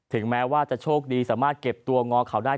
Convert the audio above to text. แม้ว่าจะโชคดีสามารถเก็บตัวงอเขาได้